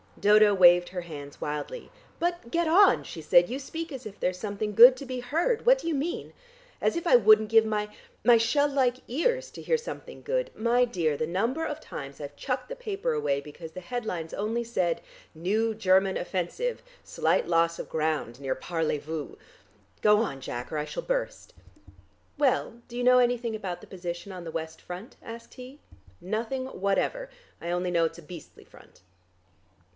Dodo waved her hands wildly. "But get on," she said. "You speak as if there's something good to be heard. What do you mean? As if I wouldn't give my my shell like ears to hear something good. My dear, the number of times I've chucked the paper away because the headlines only said, 'New German offensive. Slight loss of ground near Parlez vous.' Go on, Jack, or I shall burst." "Well, do you know anything about the position on the west front?" asked he. "Nothing whatever. I only know it's a beastly front."